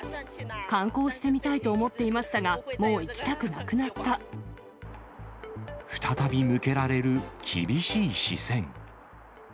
観光してみたいと思っていました再び向けられる厳しい視線。